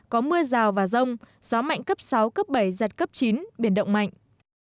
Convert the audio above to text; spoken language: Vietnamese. có mưa rào và rông gió mạnh cấp sáu cấp bảy giật cấp chín biển động mạnh